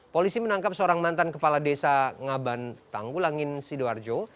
polisi menangkap seorang mantan kepala desa ngaban tanggulangin sidoarjo